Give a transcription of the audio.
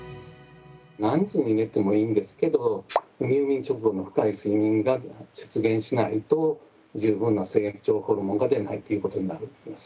何時に寝てもいいんですけど入眠直後の深い睡眠が出現しないと十分な成長ホルモンが出ないということになると思います。